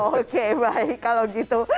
oke baik kalau gitu